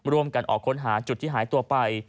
ร่วมกันออกค้นหาจุดที่หายตัวไป